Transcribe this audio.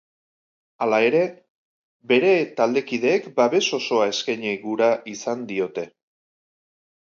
Hala ere, bere taldekideek babes osoa eskaini gura izan diote.